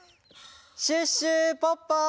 シュッシュポッポ！